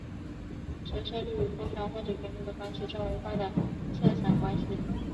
折射率与波长或者频率的关系称为光的色散关系。